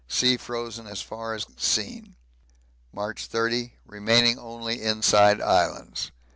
Sea frozen as far as seen. March 30. Remaining only inside Islands.